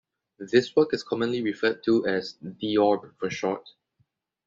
This work is commonly referred to as "De orbe" for short.